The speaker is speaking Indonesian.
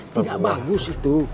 tidak bagus itu